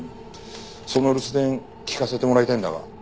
その留守電聞かせてもらいたいんだが。